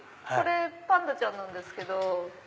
これパンダちゃんなんですけど。